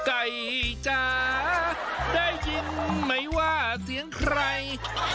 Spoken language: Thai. ไก่จ๋าได้ยินไหมว่าเสียงใคร